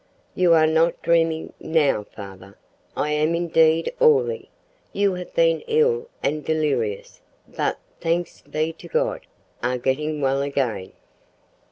"You are not dreaming now, father. I am indeed Orley. You have been ill and delirious, but, thanks be to God, are getting well again."